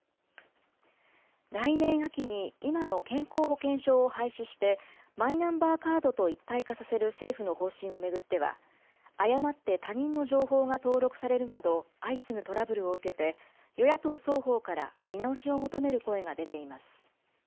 来年秋に今の健康保険証を廃止して、マイナンバーカードと一体化させる政府の方針を巡っては、誤って他人の情報が登録されるなど、相次ぐトラブルを受けて、与野党双方から見直しを求める声が出ています。